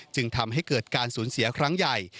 จึงทำให้เกิดการสูญเสียครั้งใหญ่